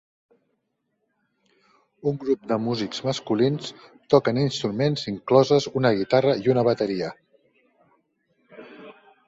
Un grup de músics masculins toquen instruments incloses una guitarra i una bateria.